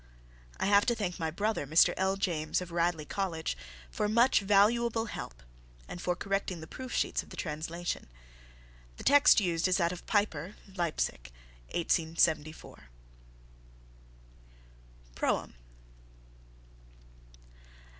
I have to thank my brother, Mr. L. James, of Radley College, for much valuable help and for correcting the proof sheets of the translation. The text used is that of Peiper, Leipsic, 1874. PROEM.